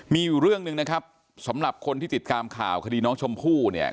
มีอยู่เรื่องหนึ่งนะครับสำหรับคนที่ติดตามข่าวคดีน้องชมพู่เนี่ย